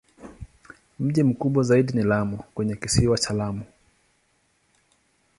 Mji mkubwa zaidi ni Lamu kwenye Kisiwa cha Lamu.